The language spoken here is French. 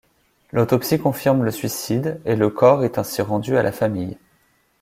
L'autopsie confirme le suicide, et le corps est ainsi rendu à la famille.